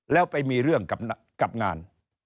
แล้วไปมีเรื่องกับงาน